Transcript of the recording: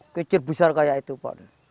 kicir besar kayak itu pak